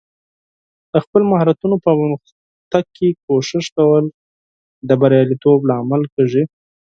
د خپل مهارتونو په پرمختګ کې کوښښ کول د بریالیتوب لامل کیږي.